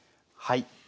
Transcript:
はい。